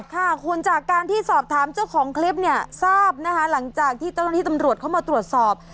ค่ะคุณจากการที่สอบถามเจ้าของคลิปเนี่ยทราบนะคะหลังจากที่เจ้าหน้าที่ตำรวจเข้ามาตรวจสอบ